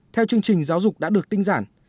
theo chương trình giáo dục đã được tinh giản